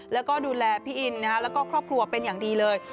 แล้วก็ดูแลพี่อินแล้วก็ครอบครัวเป็นอย่างดีเลย